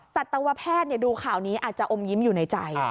สัตวแพทย์ดูข่าวนี้อาจจะอมยิ้มอยู่ในใจ